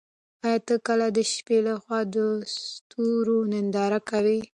ایا ته کله د شپې له خوا د ستورو ننداره کوې؟